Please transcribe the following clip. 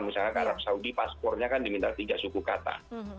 misalkan arab saudi paspornya kan diminta tiga suku kata